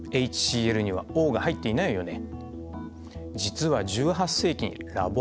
ＨＣｌにはＯが入っていないよね。